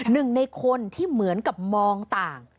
หนึ่งในคนที่เหมือนกับมองต่าง